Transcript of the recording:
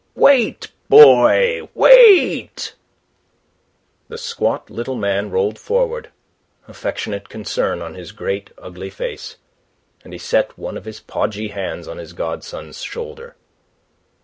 "Wait, boy, wait!" The squat little man rolled forward, affectionate concern on his great ugly face, and he set one of his podgy hands on his godson's shoulder.